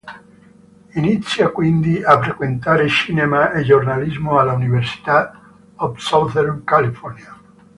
Inizia quindi a frequentare cinema e giornalismo alla University of Southern California.